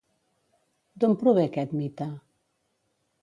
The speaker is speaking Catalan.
D'on prové aquest mite?